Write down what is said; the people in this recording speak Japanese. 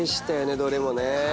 どれもね。